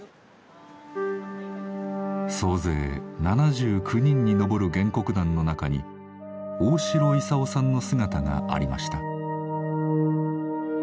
総勢７９人に上る原告団の中に大城勲さんの姿がありました。